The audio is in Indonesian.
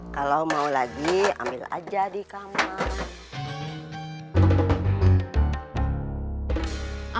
kalau mau lagi ambil aja di kamu